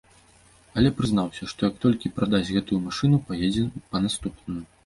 Але прызнаўся, што як толькі прадасць гэтую машыну, паедзе па наступную.